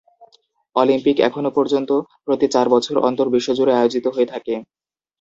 Olympic এখনো পর্যন্ত প্রতি চার বছর অন্তর বিশ্বজুড়ে আয়োজিত হয়ে থাকে।